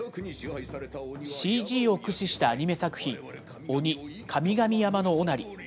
ＣＧを駆使したアニメ作品、ＯＮＩ神々山のおなり。